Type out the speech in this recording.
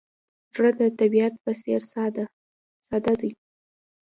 زړه د طبیعت په څېر ساده دی.